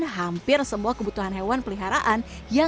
dan hampir semua kebutuhan hewan peliharaan